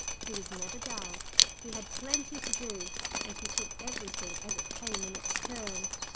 He was never dull; he had plenty to do; and he took everything as it came in its turn.